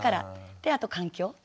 であと環境。